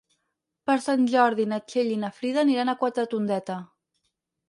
Per Sant Jordi na Txell i na Frida aniran a Quatretondeta.